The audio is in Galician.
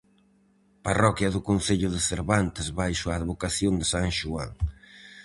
Parroquia do concello de Cervantes baixo a advocación de san Xoán.